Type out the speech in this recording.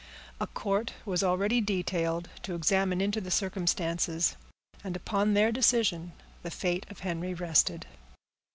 A court was already detailed to examine into the circumstances; and upon their decision the fate of Henry rested.